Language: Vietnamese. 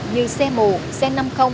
như xe mù xe năm mươi